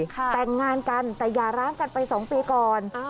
แต่งงานกันแต่อย่าร้างกันไป๒ปีก่อน